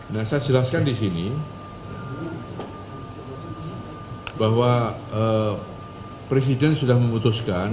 nah saya jelaskan di sini bahwa presiden sudah memutuskan